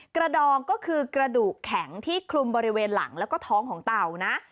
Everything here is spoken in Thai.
ดองก็คือกระดูกแข็งที่คลุมบริเวณหลังแล้วก็ท้องของเต่านะ